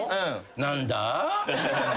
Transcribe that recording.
何だ？